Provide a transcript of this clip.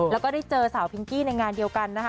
แล้วก็ได้เจอสาวพิงกี้ในงานเดียวกันนะคะ